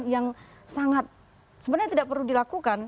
yang sangat sebenarnya tidak perlu dilakukan